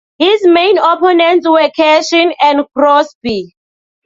His main opponents were Cashin and Crosbie.